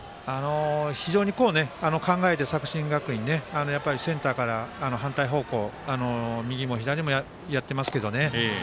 非常に考えて作新学院センターから反対方向右も左もやってますけどね。